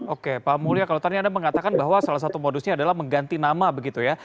oke pak mulya kalau tadi anda mengatakan bahwa salah satu modusnya adalah mengganti nama begitu ya